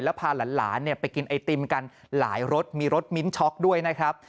แล้วพาหลานไปกินไอติมกันหลายรสมีรสมิ้นช็อกด้วยนะครับ